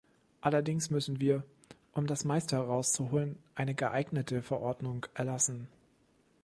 Allerdings müssen wir, um das meiste herauszuholen, eine geeignete Verordnung erlassen.